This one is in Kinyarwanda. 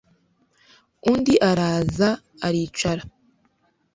undi araza aricara